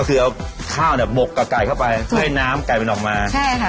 ก็คือเอาข้าวเนี่ยบกกับไก่เข้าไปเพื่อให้น้ำไก่มันออกมาใช่ค่ะ